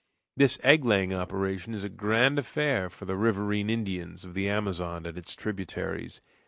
This egg laying operation is a grand affair for the riverine Indians of the Amazon and its tributaries.